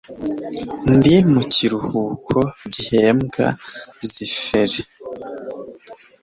Ndi mu kiruhuko gihembwa Zifre